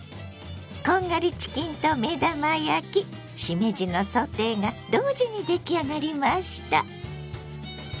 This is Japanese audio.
こんがりチキンと目玉焼きしめじのソテーが同時に出来上がりました。